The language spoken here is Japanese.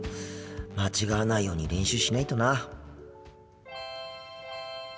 間違わないように練習しないとな。